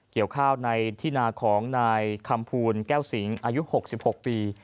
เกี่ยวข้าวในที่นาของนายคำภูลแก้วสิงอายุ๖๖ปี